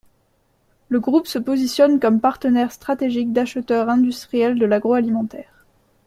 Le Groupe se positionne comme partenaire stratégique d’acheteurs industriels de l’agroalimentaire.